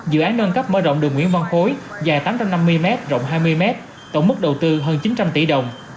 dự án nâng cấp mở rộng đường nguyễn văn khối dài tám trăm năm mươi m rộng hai mươi m tổng mức đầu tư hơn chín trăm linh tỷ đồng